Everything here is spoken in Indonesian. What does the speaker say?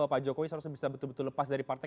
pak jokowi seharusnya bisa betul betul lepas dari partai